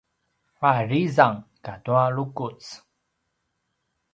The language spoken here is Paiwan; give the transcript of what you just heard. ’arizang katua lukuc